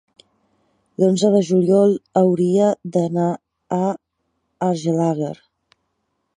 l'onze de juliol hauria d'anar a Argelaguer.